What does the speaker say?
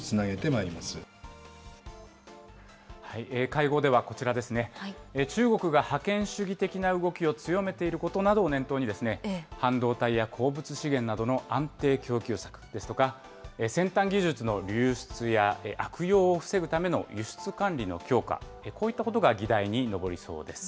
会合ではこちらですね、中国が覇権主義的な動きを強めていることなどを念頭に、半導体や鉱物資源などの安定供給策ですとか、先端技術の流出や悪用を防ぐための輸出管理の強化、こういったことが議題に上りそうです。